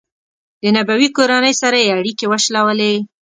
د نبوي کورنۍ سره یې اړیکې وشلولې.